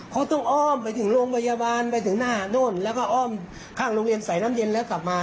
เขาต้องอ้อมไปถึงโรงพยาบาลไปถึงหน้าโน่นแล้วก็อ้อมข้างโรงเรียนใส่น้ำเย็นแล้วกลับมา